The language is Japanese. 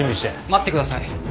待ってください。